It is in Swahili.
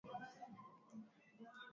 Kiongozi wangu ni kioo cha jamii.